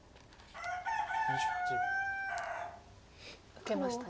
受けましたね。